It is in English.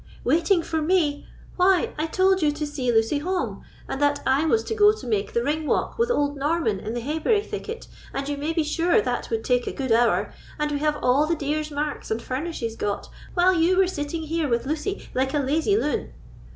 "Waiting for me! Why, I told you to see Lucy home, and that I was to go to make the ring walk with old Norman in the Hayberry thicket, and you may be sure that would take a good hour, and we have all the deer's marks and furnishes got, while you were sitting here with Lucy, like a lazy loon."